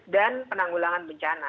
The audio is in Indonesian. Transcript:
dan penanggulangan bencana